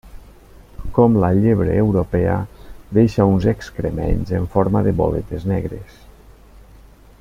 Com la llebre europea, deixa uns excrements en forma de boletes negres.